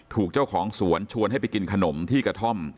ถูกเจ้าของสวนชวนให้ไปกินขนมที่กระท่อม